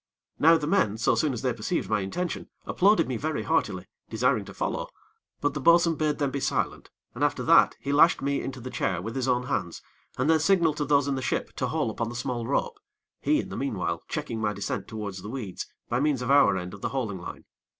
Now, the men, so soon as they perceived my intention, applauded me very heartily, desiring to follow; but the bo'sun bade them be silent, and, after that, he lashed me into the chair, with his own hands, and then signaled to those in the ship to haul upon the small rope; he, in the meanwhile, checking my descent towards the weeds, by means of our end of the hauling line.